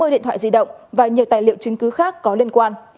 ba mươi điện thoại di động và nhiều tài liệu chứng cứ khác có liên quan